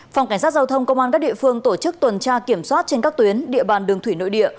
phòng cảnh sát giao thông công an các địa phương tổ chức tuần tra kiểm soát trên các tuyến địa bàn đường thủy nội địa